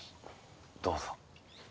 どうぞ。